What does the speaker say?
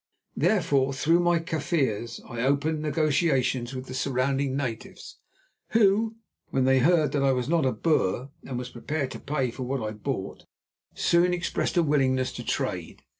Therefore, through my Kaffirs, I opened negotiations with the surrounding natives, who, when they heard that I was not a Boer and was prepared to pay for what I bought, soon expressed a willingness to trade.